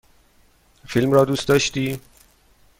فیلم را دوست داشتی؟